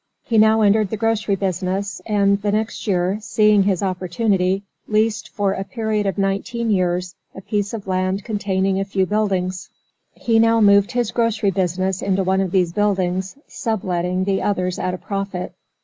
He now entered the grocery business and the next year, seeing his opportunity, leased for a period of nineteen years a piece of land containing a few buildings. He now moved his grocery business into one of these buildings, subletting the others at a profit.